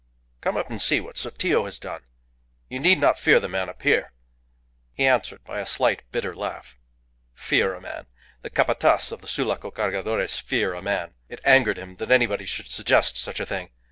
"Come up and see what Sotillo has done. You need not fear the man up here." He answered by a slight, bitter laugh. Fear a man! The Capataz of the Sulaco Cargadores fear a man! It angered him that anybody should suggest such a thing.